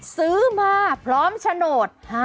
ซื้อมาพร้อมโฉนด